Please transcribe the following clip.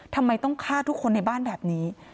ทำไมต้องฆ่าทุกคนในบ้านแบบนี้